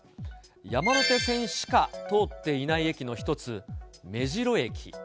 山手線しか通っていない駅の１つ、目白駅。